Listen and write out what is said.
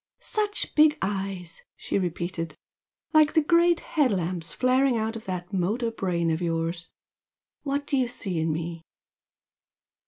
"Such big eyes!" she repeated "Like great head lamps flaring out of that motor brain of yours! What do you see in me?"